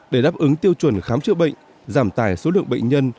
để đáp ứng tiêu chuẩn khám chữa bệnh giảm tài số lượng bệnh nhân